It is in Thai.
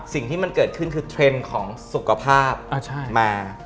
สิ่งที่มันเกิดขึ้นคือเทรนด์ของสุขภาพมา